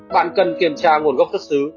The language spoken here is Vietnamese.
bạn cần kiểm tra nguồn gốc xuất xứ